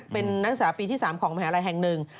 เป็นนักศึกษาปีที่๓ของมหาลัยแห่งหนึ่ง